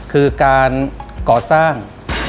คือการก่อสร้าง